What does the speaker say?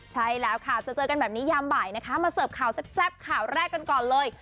ใช่แล้วค่ะจะเจอกันแบบนี้ยามบ่ายนะคะมาเสิร์ฟข่าวแซ่บข่าวแรกกันก่อนเลย